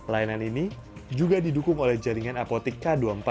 layanan ini juga didukung oleh jaringan apotik k dua puluh empat